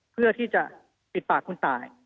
เพื่อที่จะปิดปากคุณตาย